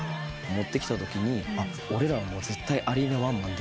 持ってきたときに「俺ら絶対アリーナワンマンできるわ」